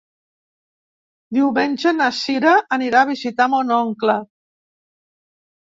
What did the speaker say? Diumenge na Cira anirà a visitar mon oncle.